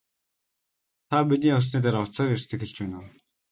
Та миний явсны дараа утсаар ярьсныг хэлж байна уу?